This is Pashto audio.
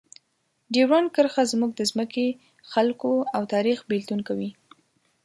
ډیورنډ کرښه زموږ د ځمکې، خلکو او تاریخ بېلتون کوي.